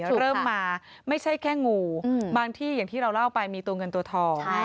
เริ่มมาไม่ใช่แค่งูบางที่อย่างที่เราเล่าไปมีตัวเงินตัวทอง